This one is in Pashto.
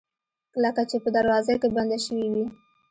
لکه چې په دروازه کې بنده شوې وي